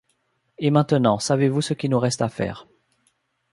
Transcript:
Et maintenant, savez-vous ce qui nous reste à faire